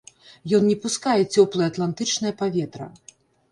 Ён не пускае цёплае атлантычнае паветра.